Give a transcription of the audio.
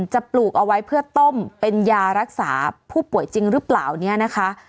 ปลูกเอาไว้เพื่อต้มเป็นยารักษาผู้ป่วยจริงหรือเปล่าเนี่ยนะคะ